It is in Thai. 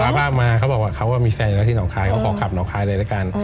สารภาพมาเขาบอกว่ามีแฟนอยู่แล้วที่หนอกคายเขาก็ขอขับหนอกคายด้วย